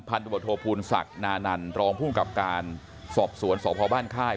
พันธบทบลภูรศคนานันต์รอมพูดกับการสอบสวนสบบนค่าย